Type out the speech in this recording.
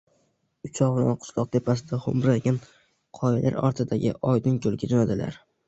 Uchovlon qishloq tepasida xoʼmraygan qoyalar ortidagi Oydinkoʼlga joʼnadilar.